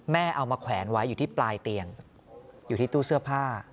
เอามาแขวนไว้อยู่ที่ปลายเตียงอยู่ที่ตู้เสื้อผ้า